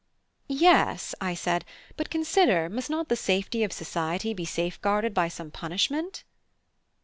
"Yes," I said, "but consider, must not the safety of society be safeguarded by some punishment?"